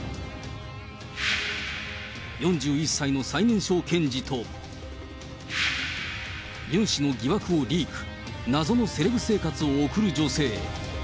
４１歳の最年少検事と、ユン氏の疑惑をリーク、謎のセレブ生活を送る女性。